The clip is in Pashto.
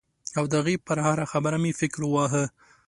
او د هغې پر هره خبره مې فکر واهه.